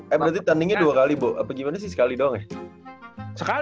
eh berarti tandingnya dua kali bu apa gimana sih sekali doang ya